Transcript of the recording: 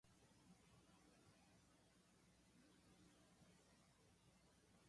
だから言ったではないか初めから勝負はついていると